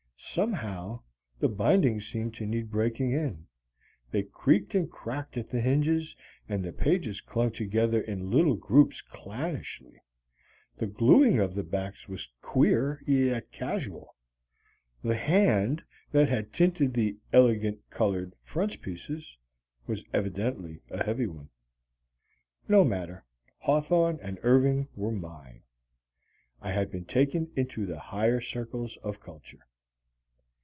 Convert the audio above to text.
Somehow the bindings seemed to need breaking in. They creaked and cracked at the hinges and the pages clung together in little groups clannishly. The gluing of the backs was queer, yet casual. The "hand" that had tinted the "elegant colored frontispieces" was evidently a heavy one. No matter: Hawthorne and Irving were mine. I had been taken into the higher circles of culture.